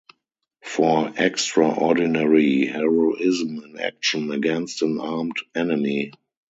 For extraordinary heroism in action against an armed enemy.